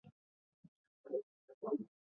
Bere esanetan, pelikula autobiografiko bat izango da.